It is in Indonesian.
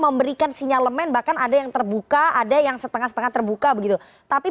memberikan sinyalemen bahkan ada yang terbuka ada yang setengah setengah terbuka begitu tapi